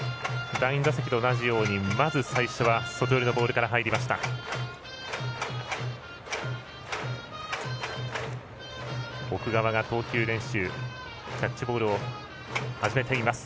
第２打席と同じようにまず最初は外寄りのボールから入りました。